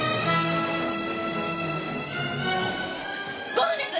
５分です！